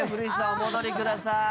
お戻りください。